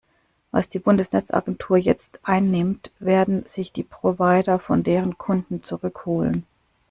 Was die Bundesnetzagentur jetzt einnimmt, werden sich die Provider von deren Kunden zurück holen.